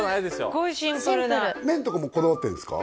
すごいシンプルな麺とかもこだわってるんですか？